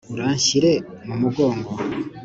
uranshyire mu mugongo